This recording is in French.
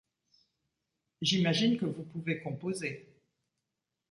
J'imagine que vous pouvez composer.